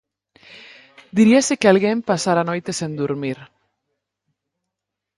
Diríase que alguén pasara a noite sen durmir.